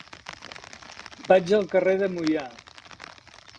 Vaig al carrer de Moià.